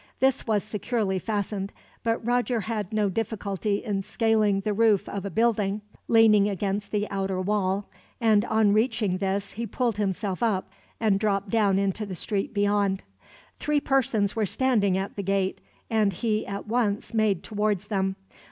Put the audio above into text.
This was securely fastened, but Roger had no difficulty in scaling the roof of a building leaning against the outer wall; and on reaching this, he pulled himself up and dropped down into the street beyond. Three persons were standing at the gate, and he at once made towards them.